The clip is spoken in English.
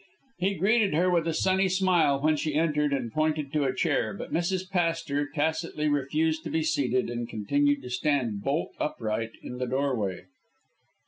He greeted her with a sunny smile when she entered, and pointed to a chair, but Mrs. Pastor tacitly refused to be seated, and continued to stand bolt upright in the doorway.